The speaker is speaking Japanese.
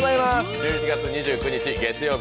１１月２９日月曜日